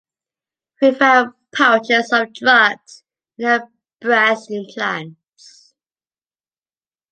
We found pouches of drugs in her breast implants.